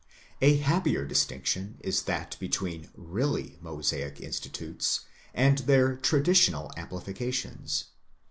A happier distinction is that between really Mosaic institutes, and their traditional amplifications.